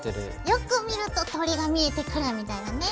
よく見ると鳥が見えてくるみたいなね。